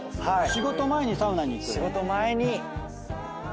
仕事前にサウナに行く？